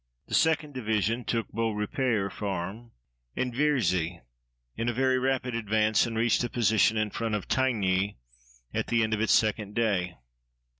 The 2d Division took Beau Repaire Farm and Vierzy in a very rapid advance and reached a position in front of Tigny at the end of its second day.